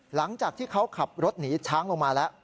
หลังจากที่เขาขับรถหนีช้างลงมาแล้ว